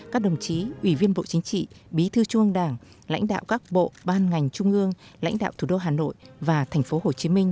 các đồng chí ủy viên bộ chính trị bí thư trung ương đảng lãnh đạo các bộ ban ngành trung ương lãnh đạo thủ đô hà nội và thành phố hồ chí minh